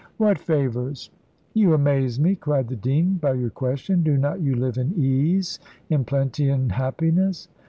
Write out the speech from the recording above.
"What favours?" "You amaze me," cried the dean, "by your question. Do not you live in ease, in plenty, and happiness?"